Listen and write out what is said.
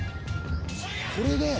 これで。